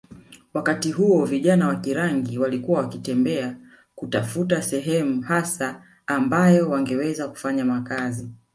wakati huo vijana wa Kirangi walikuwa wakitembea kutafuta sehemu hasa ambayo wangeweza kufanya makazi